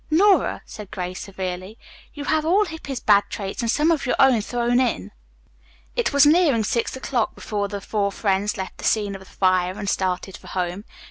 "Nora," said Grace severely, "you have all Hippy's bad traits and some of your own thrown in." It was nearing six o'clock before the four friends left the scene of the fire and started for home.